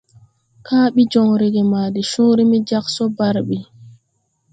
Kaa ɓi joŋ reege ma de cõõre me jāg so barɓi.